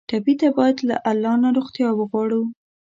ټپي ته باید له الله نه روغتیا وغواړو.